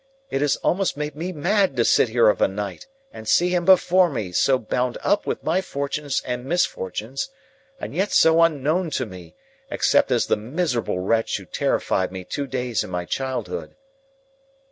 It has almost made me mad to sit here of a night and see him before me, so bound up with my fortunes and misfortunes, and yet so unknown to me, except as the miserable wretch who terrified me two days in my childhood!"